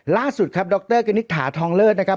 ล่าสุดครับดรกณิตถาทองเลิศนะครับ